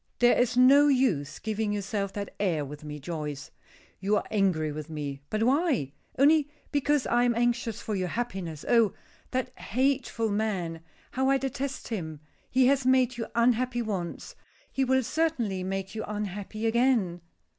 "There is no use giving yourself that air with me, Joyce. You are angry with me; but why? Only because I am anxious for your happiness. Oh! that hateful man, how I detest him! He has made you unhappy once he will certainly make you unhappy again."